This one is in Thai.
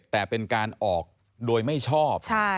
แต่เป็นการออกโดยไม่ชอบ